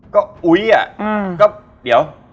ก็อุ๊ยมั้ย